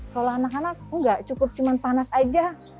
kalau anak anak enggak cukup cuma panas aja